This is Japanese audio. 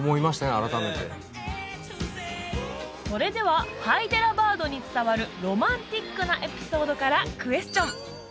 改めてそれではハイデラバードに伝わるロマンチックなエピソードからクエスチョン